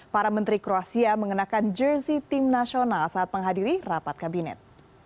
para menteri kroasia mengenakan jersey tim nasional saat menghadiri rapat kabinet